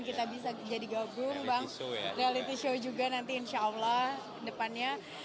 kita bisa jadi gabung bang reality show juga nanti insya allah depannya